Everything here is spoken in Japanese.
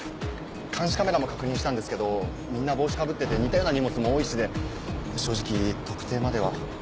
監視カメラも確認したんですけどみんな帽子かぶってて似たような荷物も多いしで正直特定までは。